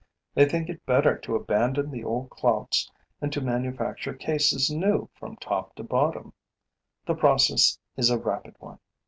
They think it better to abandon the old clouts and to manufacture cases new from top to bottom. The process is a rapid one.